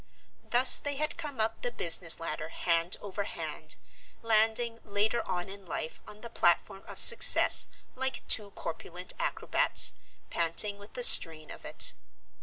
Thus they had come up the business ladder hand over hand, landing later on in life on the platform of success like two corpulent acrobats, panting with the strain of it.